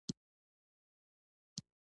افغانستان په پکتیا غني دی.